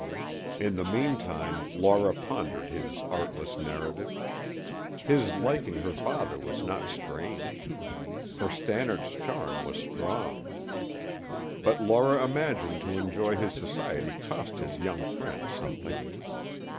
In the meantime Laura pondered his artless narrative. His liking her father was not strange, for Stannard's charm was strong, but Laura imagined to enjoy his society cost his young friends something.